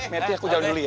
metti aku jalan dulu ya